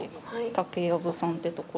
竹やぶさんてところ。